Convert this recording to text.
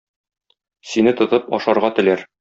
Сине тотып ашарга теләр.